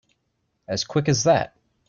As quick as that?